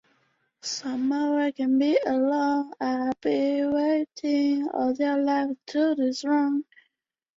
以上山采草药买卖为生。